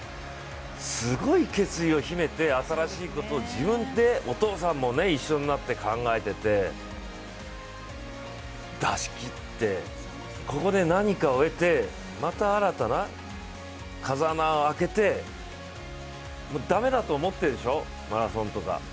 すごい決意を秘めて新しいことを自分でお父さんも一緒になって考えていて出し切って、ここで何かを得てまた、新たな風穴を開けてダメだと思ってるでしょマラソンとか。